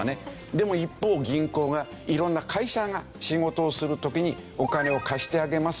でも一方銀行が色んな会社が仕事をする時にお金を貸してあげます